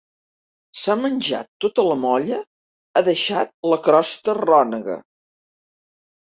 S'ha menjat tota la molla, ha deixat la crosta rònega.